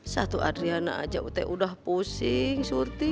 satu adriana aja ut udah pusing surti